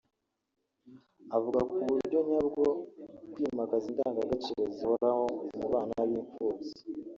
avuga ko uburyo nyabwo bwo kwimakaza indangagaciro zihoraho mu bana b’imfubyi